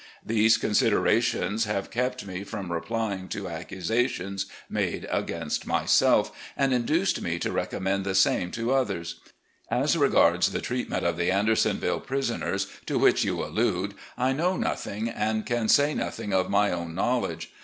These considerations have kept me from replying to accusations made against myself, and induced me to recommend the same to others. As regards the treatment of the Andersonville prisoners, to which you allude, I know nothing and can say nothing of my own knowledge.